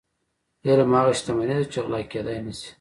علم هغه شتمني ده چې غلا کیدی نشي.